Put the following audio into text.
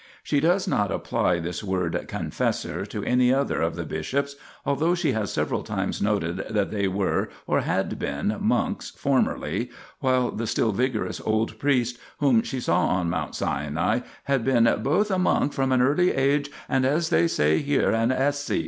She does not apply this word "confessor" to any other of the bishops, although she has several times noted that they were or had been monks formerly, while the still vigorous old priest whom she saw on Mount Sinai had been " both a monk from an early age and, as they say here, an ascete."